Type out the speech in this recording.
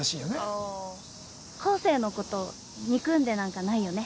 昴生のこと憎んでなんかないよね？